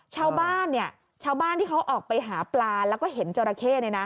ชาวบ้านเนี่ยชาวบ้านที่เขาออกไปหาปลาแล้วก็เห็นจราเข้เนี่ยนะ